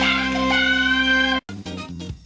อ่าแถมท้ายก่อนปิดเบรกไหมเดี๋ยวกลับมาใส่ไข่กันต่อค่ะ